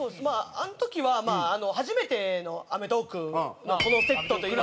あの時はまあ初めての『アメトーーク』のセットというか。